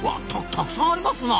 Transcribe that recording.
たくさんありますな。